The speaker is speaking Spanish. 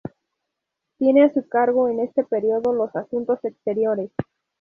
Tiene a su cargo en este periodo los asuntos exteriores.